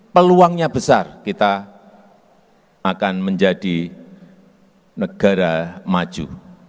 peluangnya besar kita akan menjadi negara maju